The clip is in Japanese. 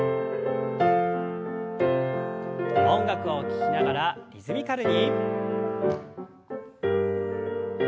音楽を聞きながらリズミカルに。